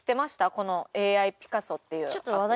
このＡＩピカソっていうアプリ。